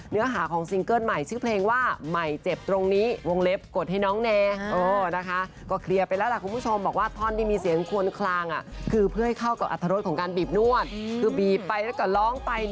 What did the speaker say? เนื้อหาของซิงกร์ดใหม่ชื่อเพลงว่า